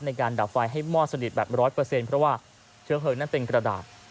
ในการดับไฟให้มอดสนิทแบบ๑๐๐เพราะว่าเชื้อเพลิงนั้นเป็นกระดาษ